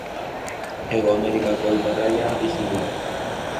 Hego Amerikako iparraldean bizi dira.